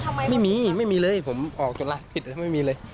ไม่มีไม่มีเลยผมออกจากร้านผิดไม่มีเลย